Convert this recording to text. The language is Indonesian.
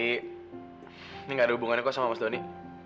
ini gak ada hubungan aku sama mas doni